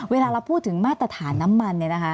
เวลาเราพูดถึงมาตรฐานน้ำมัน